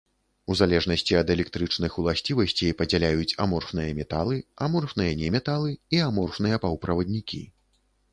У залежнасці ад электрычных уласцівасцей, падзяляюць аморфныя металы, аморфныя неметалы і аморфныя паўправаднікі.